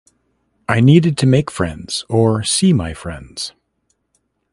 I needed to make friends or see my friends.